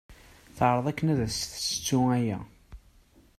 Teɛreḍ akken ad as-tessettu aya.